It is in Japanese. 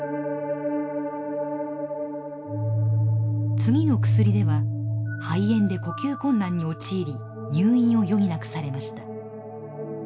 次の薬では肺炎で呼吸困難に陥り入院を余儀なくされました。